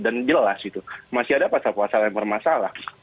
dan jelas gitu masih ada pasal pasal yang bermasalah